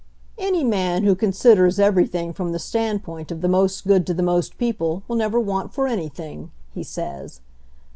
"Any man who considers everything from the standpoint of the most good to the most people will never want for anything/' he says.